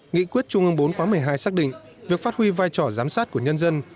nghị quyết trung ương bốn khóa một mươi hai xác định việc phát huy vai trò giám sát của nhân dân